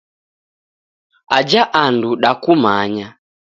Aja andu dakumanya.